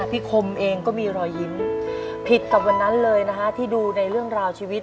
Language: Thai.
คมเองก็มีรอยยิ้มผิดกับวันนั้นเลยนะฮะที่ดูในเรื่องราวชีวิต